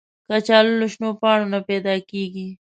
کچالو له شنو پاڼو نه پیدا کېږي